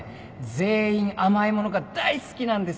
全員甘い物が大好きなんですよ